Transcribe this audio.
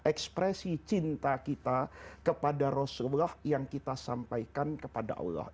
ekspresi cinta kita kepada rasulullah yang kita sampaikan kepada allah